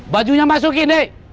bajunya masukin deh